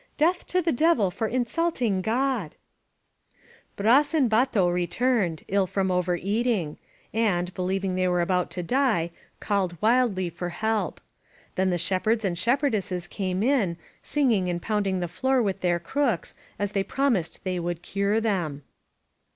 Death to the Devil for in sulting God !" Bras and Bato returned, ill from overeating, and, believing they were about to die, called wildly for help. Then the shepherds and shepherdesses came in, sing ing and pounding the floor with their crooks, as they promised they would cure them.